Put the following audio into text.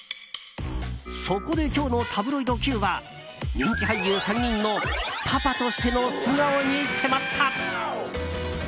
そこで、今日のタブロイドＱは人気俳優３人のパパとしての素顔に迫った。